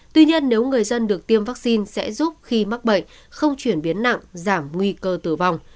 tuy nhiên nếu người dân được tiêm vaccine sẽ giúp khi mắc bệnh không chuyển biến nặng giảm nguy cơ tử vong